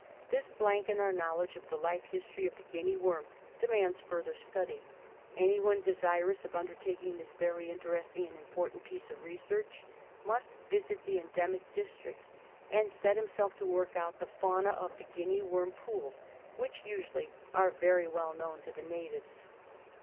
This blank in our knowledge of the life history of the Guinea worm demands further study. Anyone desirous of undertaking this very interesting and important piece of research must visit the endemic districts and set himself to work out the fauna of the Guinea worm pools which, usually, are very well known to the natives.